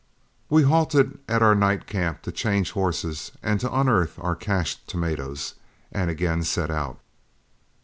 We halted at our night camp to change horses and to unearth our cached tomatoes, and again set out.